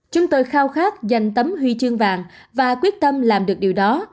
chúng tôi khao khát dành tấm huy chương vàng và quyết tâm làm được điều đó